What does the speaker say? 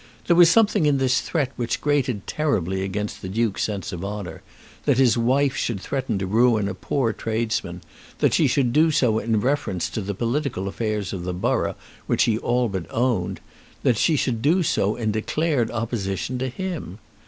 There was something in this threat which grated terribly against the Duke's sense of honour; that his wife should threaten to ruin a poor tradesman, that she should do so in reference to the political affairs of the borough which he all but owned, that she should do so in declared opposition to him!